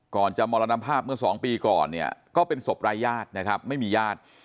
ก่อนจะมรณภาพเมื่อสองปีก่อนเนี่ยก็เป็นศพรายญาตินะครับไม่มีญาติ